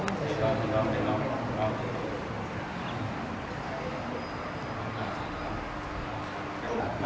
มันจะไม่มีความบอก